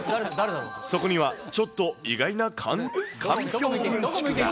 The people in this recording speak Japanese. そこにはちょっと意外なかんぴょううんちくが。